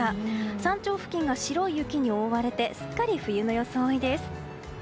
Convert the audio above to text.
山頂付近が白い雪に覆われてすっかり冬の装いです。